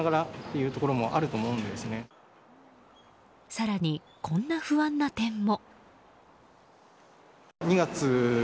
更に、こんな不安な点も。